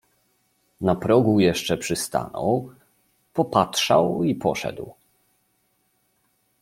Na progu jeszcze przystanął, popatrzał i poszedł.